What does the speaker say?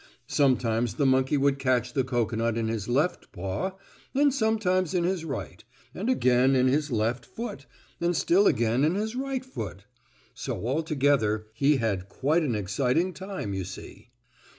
Sometimes the monkey would catch the cocoanut in his left paw and sometimes in his right, and again in his left foot, and still again in his right foot. So altogether he had quite an exciting time, you see.